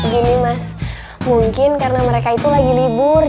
gini mas mungkin karena mereka itu lagi libur